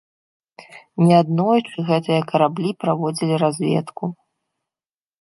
Неаднойчы гэтыя караблі праводзілі разведку.